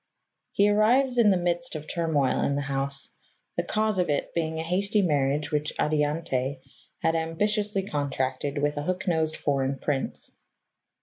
He arrives in the midst of turmoil in the house, the cause of it being a hasty marriage which Adiante had ambitiously contracted with a hook nosed foreign prince.